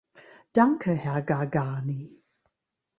Danke, Herr Gargani.